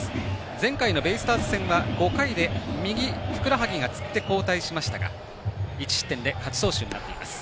前回のベイスターズ戦は５回で右ふくらはぎがつって交代しましたが１失点で勝ち投手になっています。